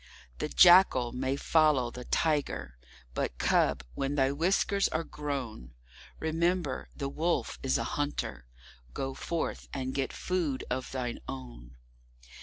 The Jackal may follow the Tiger, but, Cub, when thy whiskers are grown, Remember the Wolf is a hunter—go forth and get food of thine own.